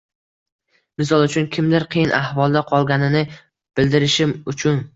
Misol uchun, kimdir qiyin ahvolda qolganini bildirishi uchun